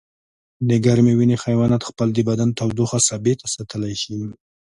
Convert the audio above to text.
د ګرمې وینې حیوانات خپل د بدن تودوخه ثابته ساتلی شي